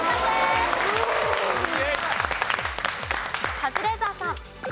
カズレーザーさん。